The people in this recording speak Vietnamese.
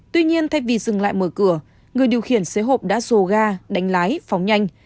tuy nhiên thay vì dừng lại mở cửa người điều khiển xế hộp đã rồ ga đánh lái phóng nhanh